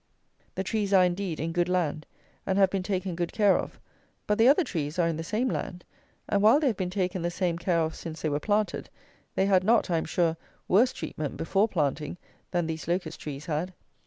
The trees are, indeed, in good land, and have been taken good care of; but the other trees are in the same land; and, while they have been taken the same care of since they were planted, they had not, I am sure, worse treatment before planting than these Locust trees had.